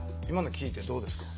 今の聞いてどうですか？